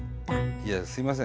いやすいません。